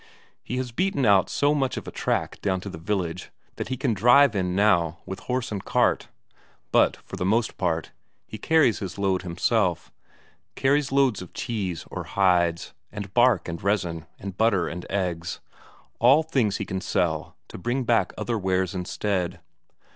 He has beaten out so much of a track down to the village that he can drive in now with horse and cart, but for the most part, he carries his load himself; carries loads of cheese or hides, and bark and resin, and butter and eggs; all things he can sell, to bring back other wares instead.